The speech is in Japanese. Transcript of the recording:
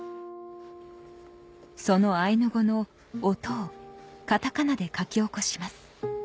そのアイヌ語の音をカタカナで書き起こします